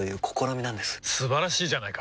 素晴らしいじゃないか！